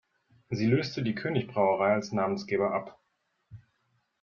Sie löste die König-Brauerei als Namensgeber ab.